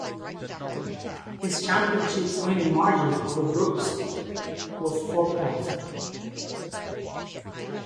His championship-winning margin over Brooks was four points.